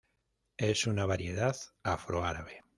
Es una variedad afro-árabe.